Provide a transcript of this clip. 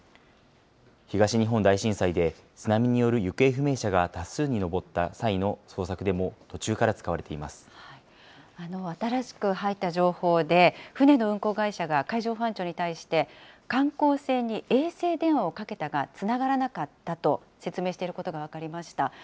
東日本大震災で津波による行方不明者が多数に上った際の捜索でも新しく入った情報で、船の運航会社が海上保安庁に対して、観光船に衛星電話をかけたがつながらなかったと説明していることが分かりました。